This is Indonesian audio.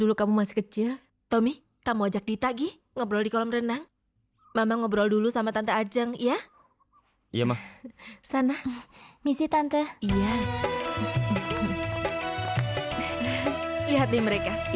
lihat nih mereka